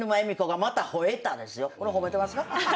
これ褒めてますか？